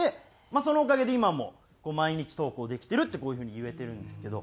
まあそのおかげで今も毎日投稿できてるってこういう風に言えてるんですけど。